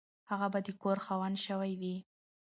هغه به د کور خاوند شوی وي.